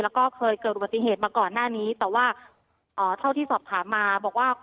แล้วก็เคยเกิดปฏิเสธมาก่อนหน้านี้แต่ว่าอ่าเท่าที่สอบถามมา